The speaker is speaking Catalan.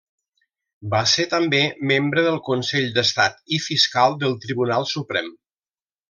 Va ser també membre del Consell d'Estat i fiscal del Tribunal Suprem.